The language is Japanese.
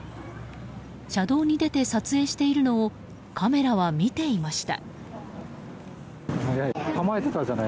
車道に出て撮影しているのをカメラは見ていました。